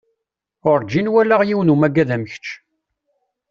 Urǧin walaɣ yiwen umagad am kečč.